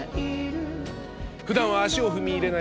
ふだんは足を踏み入れない